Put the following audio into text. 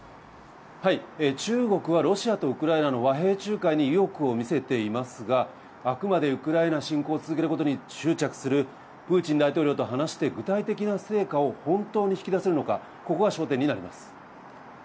中国はロシアとウクライナの和平仲介に意欲を見せていますが、あくまでウクライナ侵攻を続けることに執着するプーチン大統領と話して、具体的な成果を本当に引き出せるのか、ここが焦点になります。